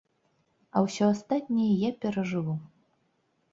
А ўсё астатняе я перажыву.